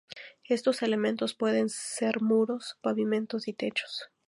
Estos elementos pueden ser muros, pavimentos y techos.